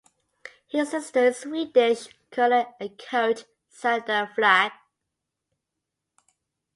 His sister is Swedish curler and coach Zandra Flyg.